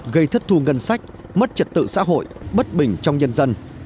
gây thất thu ngân sách mất trật tự xã hội bất bình trong nhân dân